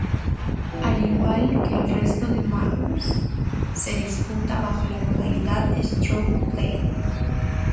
Al igual que el resto de "majors" se disputa bajo la modalidad Stroke Play.